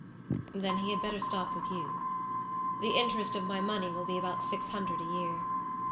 "Then he had better stop with you. The interest of my money will be about six hundred a year.